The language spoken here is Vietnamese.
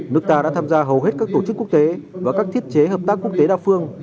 nước ta đã tham gia hầu hết các tổ chức quốc tế và các thiết chế hợp tác quốc tế đa phương